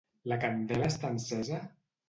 La candela està encesa?